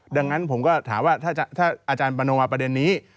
ดังนั้นผมก็ถามว่าถ้าอาจารย์มโนมาประเด็นนี้